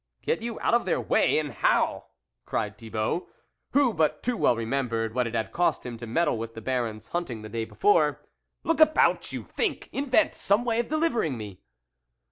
"Get you out of their way ! and how?" cried Thibault, who but too well remem bered what it had cost him to meddle with the Baron's hunting the day before. " Look about you, think, invent some way of delivering me